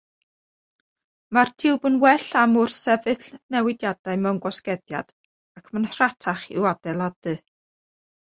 Mae'r tiwb yn well am wrthsefyll newidiadau mewn gwasgeddiad ac mae'n rhatach i'w adeiladu.